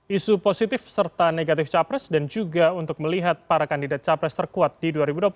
isu positif serta negatif capres dan juga untuk melihat para kandidat capres terkuat di dua ribu dua puluh empat